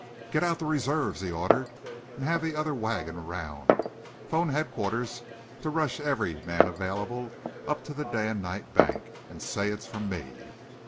"Get out the reserves," he ordered, "and have the other wagon around. 'Phone headquarters to rush every man available up to the Day and Night Bank, and say it's from me!"